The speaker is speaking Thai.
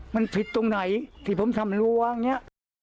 มันผิดตรงไหนที่ผมทำให้รู้ว่าอย่างนี้